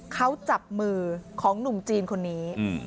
เขาจับมือของหนุ่มจีนคนนี้